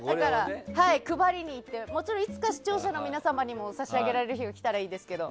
配りにいってもちろん、いつか視聴者の皆さんにも差し上げられる日が来たらいいんですけど。